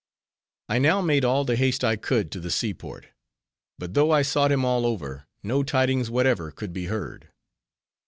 I now made all the haste I could to the seaport, but though I sought him all over, no tidings whatever could be heard.